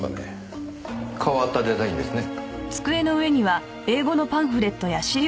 変わったデザインですね。